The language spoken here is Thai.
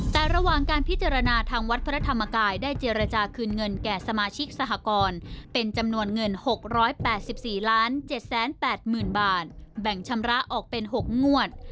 แต่ระหว่างการพิจารณาทางวัดพระธรรมกายได้เจรจาคืนเงินแก่สมาชิกสหกรเป็นจำนวนเงิน๖๘๔๗๘๐๐๐บาทแบ่งชำระออกเป็น๖งวด